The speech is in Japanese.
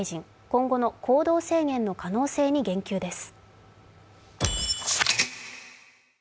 今後の行動制限の可能性に言及です。